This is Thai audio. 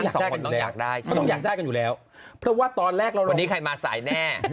อยากได้เขาต้องอยากได้กันอยู่แล้วเพราะว่าตอนแรกเราวันนี้ใครมาสายแน่